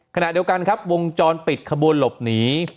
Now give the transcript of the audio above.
ขณะเดียวกันครับวงจรปิดขบวนหลบหนี